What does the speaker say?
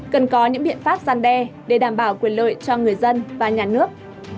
cần có những biện pháp gian đe để đảm bảo quyền lợi cho người dân và nhà nước